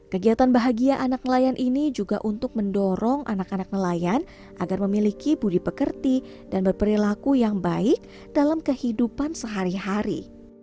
kegiatan bahagia anak nelayan ini juga untuk mendorong anak anak nelayan agar memiliki budi pekerti dan berperilaku yang baik dalam kehidupan sehari hari